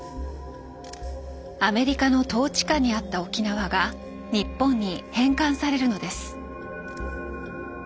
アメリカの統治下にあった沖縄が日本に返還されるのです。